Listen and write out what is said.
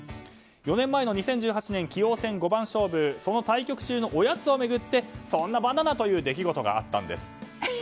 ４年前の２０１８年棋王戦五番勝負その対局中のおやつを巡ってそんなバナナ！という出来事があったんです。